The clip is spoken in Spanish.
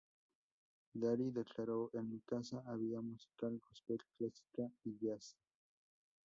Daryl declaró ""En mi casa había música gospel, clásica y jazz.